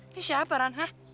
ini siapa ran hah